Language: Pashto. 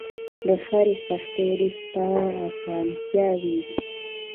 له هرې سختۍ وروسته ارسانتيا وي.